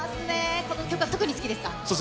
この曲は特に好きですか？